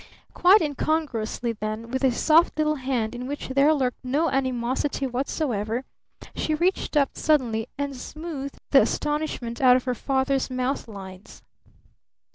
Quite incongruously, then, with a soft little hand in which there lurked no animosity whatsoever, she reached up suddenly and smoothed the astonishment out of her father's mouth lines.